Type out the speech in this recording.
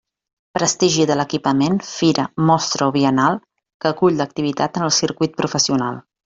Prestigi de l'equipament, fira, mostra o biennal que acull l'activitat en el circuit professional.